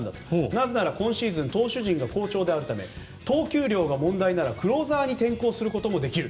なぜなら今シーズン、投手陣が好調であるため投球量が問題ならクローザーに転向することもできる。